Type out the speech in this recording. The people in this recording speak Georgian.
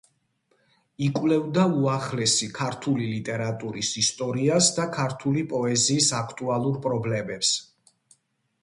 იკვლევდა უახლესი ქართული ლიტერატურის ისტორიას და ქართული პოეზიის აქტუალურ პრობლემებს.